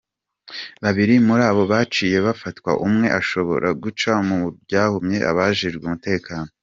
Babiri muri bo baciye bafatwa, umwe ashobora guca mu ryahumye abajejwe umutekano.